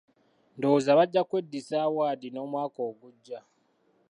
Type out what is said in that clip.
Ndowooza bajja kweddiza awaadi n'omwaka ogujja.